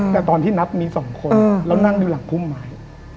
แต่ตอนที่นับมี๒คนแล้วนั่งอยู่หลังพุ่มไม้